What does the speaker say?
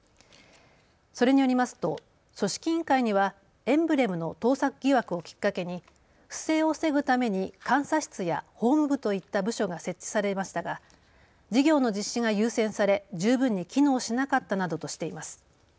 それによりますと組織委員会にはエンブレムの盗作疑惑をきっかけに不正を防ぐために監査室や法務部といった部署が設置されましたが事業の実施が優先され、十分に機能しなかったなどとしています。